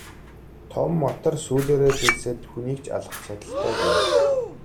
Том матар сүүлээрээ дэлсээд хүнийг ч алах чадалтай гэнэ.